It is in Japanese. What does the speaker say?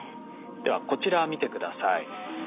ではこちら見て下さい。